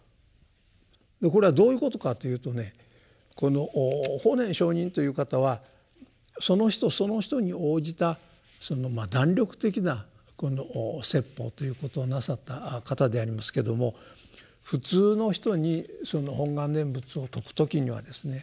これはどういうことかというとねこの法然上人という方はその人その人に応じた弾力的な説法ということをなさった方でありますけども普通の人にその本願念仏を説く時にはですね